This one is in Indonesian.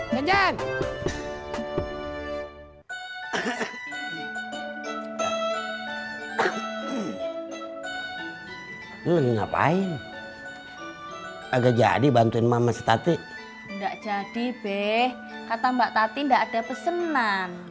jenjan ngapain agak jadi bantuin mama setatik enggak jadi beh kata mbak tati ndak ada pesenan